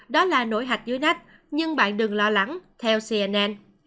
đó là nổi hạch dưới nách nhưng bạn đừng lo lắng theo cnn